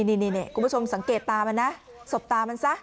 นี่คุณผู้ชมสังเกตตามันนะสบตามันซะ